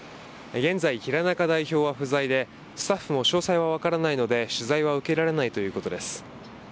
現在、平仲代表は不在でスタッフも詳細は分からないので取材は受けられないということです。